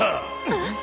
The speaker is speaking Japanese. えっ！？